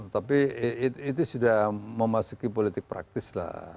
tapi itu sudah memasuki politik praktis lah